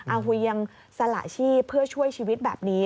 เวียงสละชีพเพื่อช่วยชีวิตแบบนี้